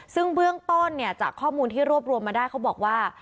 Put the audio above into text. ซึ่งเบื้องต้นเนี่ยจากข้อมูลที่รวบรวมมาได้เขาบอกว่า